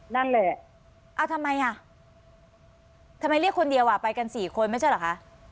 นั่นแหละเอาทำไมอ่ะทำไมเรียกคนเดียวอ่ะไปกันสี่คนไม่ใช่เหรอคะ